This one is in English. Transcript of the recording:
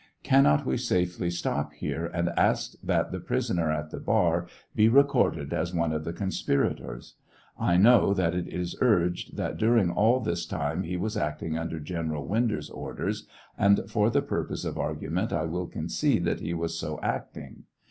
Cannot we safely stop here and ask that the prisoner at the bar be recorded as one of the conspirators ? I know that it is urged that during all this time he was acting under General Winder's orders, and for the purpose of argument I will concede that he was so acting.